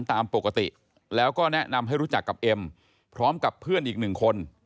ตามปกติแล้วก็แนะนำให้รู้จักกับเอ็มพร้อมกับเพื่อนอีกหนึ่งคน